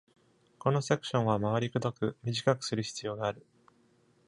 このセクションは回りくどく、短くする必要がある。